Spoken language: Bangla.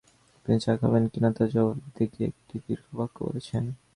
আপনি চা খাবেন কি না, তার জবাব দিতে গিয়ে একটি দীর্ঘ বাক্য বলেছেন।